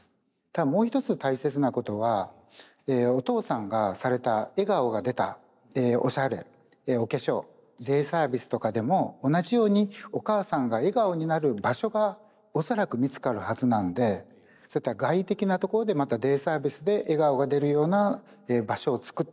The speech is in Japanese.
ただもう一つ大切なことはおとうさんがされた笑顔が出たおしゃれお化粧デイサービスとかでも同じようにおかあさんが笑顔になる場所が恐らく見つかるはずなんで外的な所でまたデイサービスで笑顔が出るような場所を作って見つけてもらう。